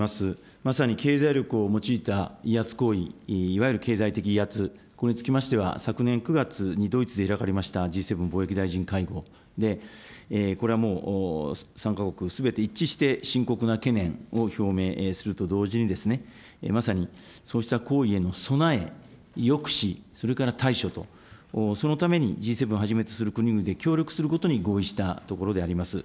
まさに経済力を用いた威圧行為、いわゆる経済的威圧、これにつきましては、昨年９月にドイツで開かれましたＧ７貿易大臣会合で、これはもう参加国すべて一致して深刻な懸念を表明すると同時に、まさにそうした行為への備え、抑止、それから対処と、そのためにＧ７をはじめとする国々で協力することに合意したところであります。